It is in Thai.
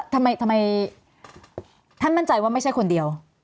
ทำไมท่านมั่นใจว่าไม่ใช่คนเดียว